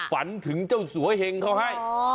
ฝันถึงเจ้าสัวเหงเขาให้